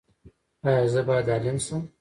ایا زه باید عالم شم؟